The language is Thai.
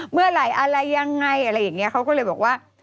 เมื่อไหร่อะไรยังไงอะไรอย่างนี้เขาก็เลยบอกว่า